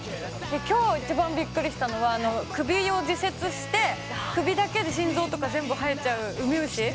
今日一番びっくりしたのはあの首を自切して首だけで心臓とか全部生えちゃうウミウシ。